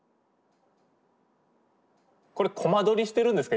これコマ撮りしてるんですか